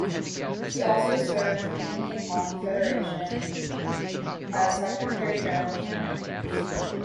He also served the Indian Hockey Federation as secretary general for nine years.